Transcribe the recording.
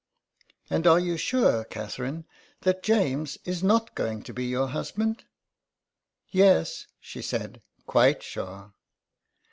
" And are you sure, Catherine, that James is not going to be your husband ?"" Yes," she said, quite sure."